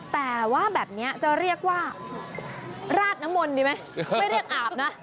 แต่ว่าแบบนี้จะเรียกว่าราดน้ำมนต์ดีไหมไม่เรียกอาบนะ